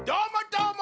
どーも！